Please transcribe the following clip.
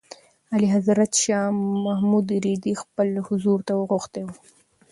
اعلیحضرت شاه محمود رېدی خپل حضور ته غوښتی و.